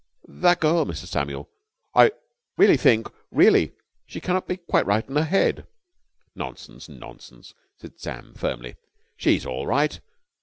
"That girl, Mr. Samuel! I really think really, she cannot be quite right in her head." "Nonsense, nonsense!" said Sam firmly. "She's all right!